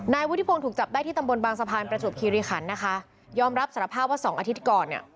นายวุฒิปงศ์ถูกจับได้ที่ตำบลบางสะพานในประจุฐิวะิคันฯย่อมรับสารภาพว่า๒อาทิตย์ก่อน